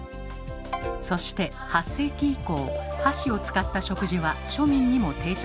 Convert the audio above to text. そして８世紀以降箸を使った食事は庶民にも定着。